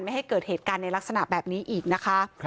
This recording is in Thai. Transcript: ให้เกิดเหตุการณ์ในลักษณะแบบนี้อีกนะคะ